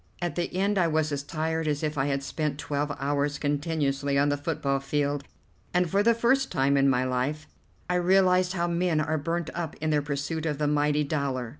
At the end I was as tired as if I had spent twelve hours continuously on the football field, and for the first time in my life I realized how men are burnt up in their pursuit of the mighty dollar.